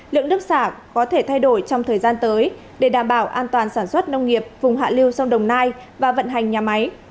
lượng nước xả có thể thay đổi trong thời gian tới để đảm bảo an toàn sản xuất nông nghiệp vùng hạ liêu sông đồng nai và vận hành nhà máy